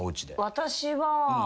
私は。